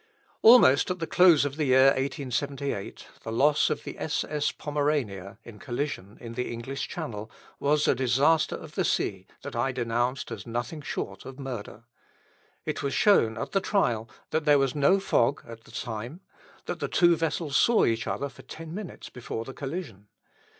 Almost at the close of the year 1878 the loss of the S.S. "Pomerania," in collision in the English Channel, was a disaster of the sea that I denounced as nothing short of murder. It was shown at the trial that there was no fog at the time, that the two vessels saw each other for ten minutes before the collision.